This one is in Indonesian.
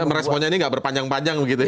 meresponnya ini gak berpanjang panjang begitu ya